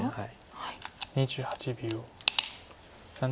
はい。